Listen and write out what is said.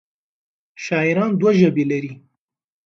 شاعران دوه ژبې لري.